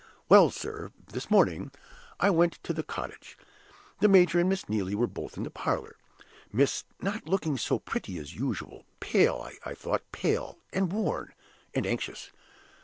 Well, sir, this morning I went to the cottage. The major and Miss Neelie were both in the parlor miss not looking so pretty as usual; pale, I thought, pale, and worn, and anxious.